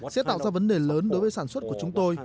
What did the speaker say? sẽ tạo ra vấn đề lớn đối với sản xuất của chúng tôi